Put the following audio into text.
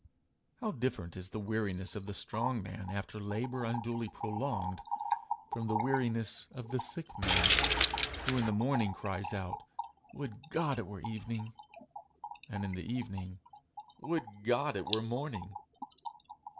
How different is the weariness of the strong man after labour unduly prolonged, from the weariness of the sick man who in the morning cries out, 'Would God it were evening!' and in the evening, 'Would God it were morning!'